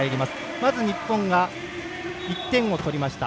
まず日本が１点を取りました。